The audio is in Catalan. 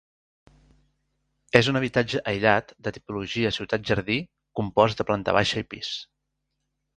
És un habitatge aïllat de tipologia ciutat-jardí compost de planta baixa i pis.